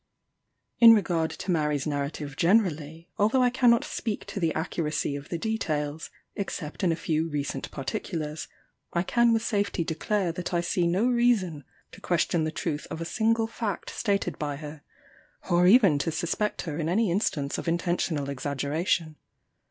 "In regard to Mary's narrative generally, although I cannot speak to the accuracy of the details, except in a few recent particulars, I can with safety declare that I see no reason to question the truth of a single fact stated by her, or even to suspect her in any instance of intentional exaggeration.